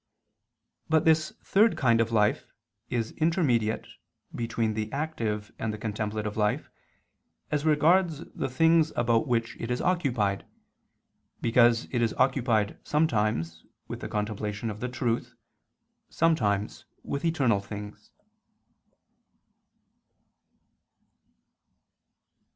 But this third kind of life is intermediate between the active and the contemplative life as regards the things about which it is occupied, because it is occupied sometimes with the contemplation of the truth, sometimes with eternal things.